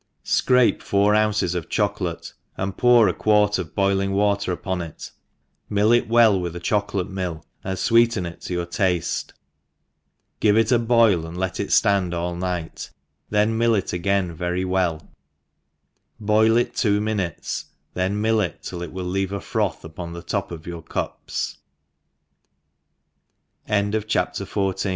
SCRAPE four ounces of chocolate and pour a quart of boiling water upon it, mill it well with a chocolate mill, and fweeten it to your tailc, ^iye it a boil and let it ftand all night, then mill It again very well, boil it two minutes, then mill it till it wi^ leave a froth upon the top of Your cups^ CHAP. K ENGLISH HOUSE KEE